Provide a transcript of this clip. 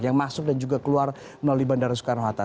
yang masuk dan juga keluar melalui bandara soekarno hatta